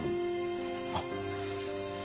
あっ。